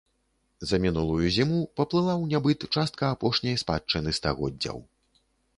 За мінулую зіму паплыла ў нябыт частка апошняй спадчыны стагоддзяў.